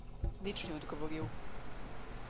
Nič ni odgovoril.